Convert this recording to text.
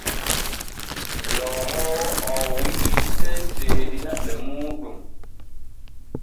Loohoowo o wi’i sey seedina ɓe muuɗum.